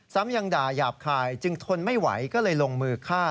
ซ้ำยังด่าหยาบคายจึงทนไม่ไหวก็เลยลงมือฆ่า